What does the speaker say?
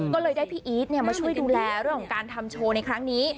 ก็เลยได้พี่อีทมาช่วยดูแลเรื่องของการทำโชว์ในครั้งนี้